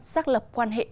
xác lập quan hệ đối tượng